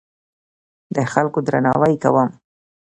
د خلکو درناوی کوم.